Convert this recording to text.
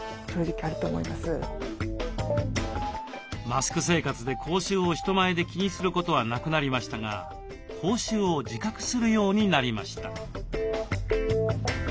マスク生活で口臭を人前で気にすることはなくなりましたが口臭を自覚するようになりました。